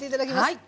はい。